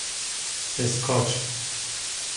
اسکاچ